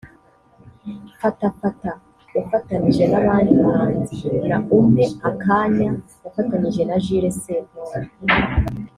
Fata fata yafatanije n’abandi bahanzi na Umpe akanya yafatanyije na Jules Sentore